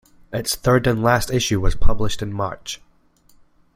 Its third and last issue was published in March.